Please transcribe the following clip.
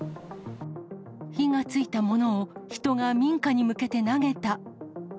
火がついたものを人が民家に向けて投げた。